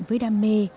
với đam mê